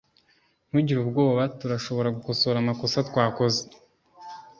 ntugire ubwoba turashobora gukosora amakosa twakoze